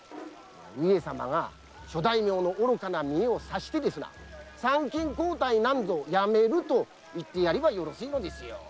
上様が諸大名の愚かな見栄を察して参勤交代なんぞやめると言ってやればよろしいのですよ。